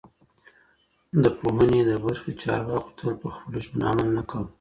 د پوهنې د برخې چارواکو تل په خپلو ژمنو عمل نه کاوه.